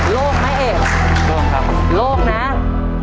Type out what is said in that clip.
โล่งไหมเอกโล่งครับโล่งนะ